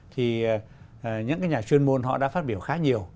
thì những cái nhà chuyên môn họ đã phát biểu khá nhiều